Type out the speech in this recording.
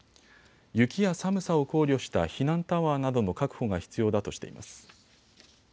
雪や寒さを考慮した避難タワーなどの確保が必要だとしています。